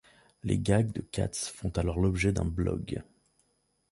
Les gags de Katz font alors l'objet d'un blog.